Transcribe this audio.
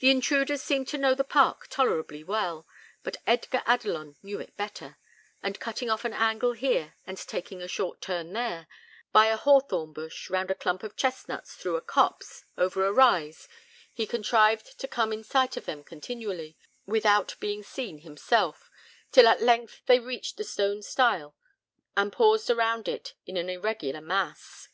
The intruders seemed to know the park tolerably well, but Edgar Adelon knew it better; and cutting off an angle here, and taking a short turn there by a hawthorn bush, round a clump of chestnuts, through a copse, over a rise he contrived to come in sight of them continually, without being seen himself, till at length they reached the stone stile, and paused around it in an irregular mass.